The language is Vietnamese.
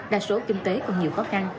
đa số kinh tế còn nhiều khó khăn